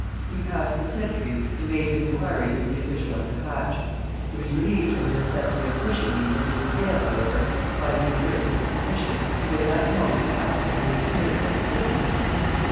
He passed the sentries and made his inquiries of the official at the hatch. He was relieved from the necessity of pushing these into detail, however, by the appearance of the physician, who at that moment passed from the interior of the prison.